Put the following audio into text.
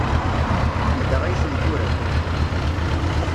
Anda ay ten-turam?